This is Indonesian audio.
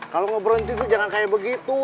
kalau mau berhenti tuh jangan kayak begitu